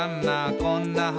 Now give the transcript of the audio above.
こんな橋」